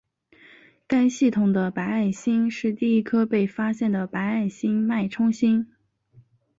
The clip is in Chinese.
该系统的白矮星是第一颗被发现的白矮星脉冲星。